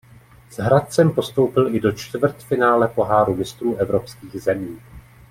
S Hradcem postoupil i do čtvrtfinále Poháru mistrů evropských zemí.